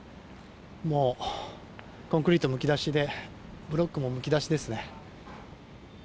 もう、コンクリートむき出しでブロックもむき出しですね。